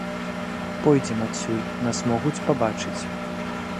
Пойдзем адсюль, нас могуць пабачыць.